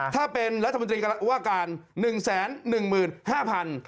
ถ้าเป็นรัฐมนตรีว่าการ๑๑๕๐๐บาท